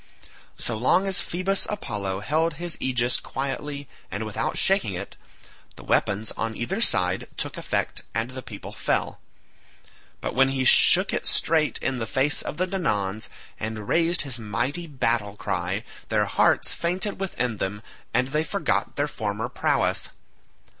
So long as Phoebus Apollo held his aegis quietly and without shaking it, the weapons on either side took effect and the people fell, but when he shook it straight in the face of the Danaans and raised his mighty battle cry their hearts fainted within them and they forgot their former prowess.